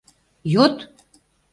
Йод!